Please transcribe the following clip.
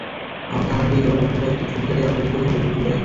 আমার কানাডীয় বন্ধুরা একটা ছুটি কাটিয়ে আবার নতুন করে হোটেল বুকিং দেয়।